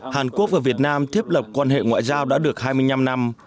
hàn quốc và việt nam thiết lập quan hệ ngoại giao đã được hai mươi năm năm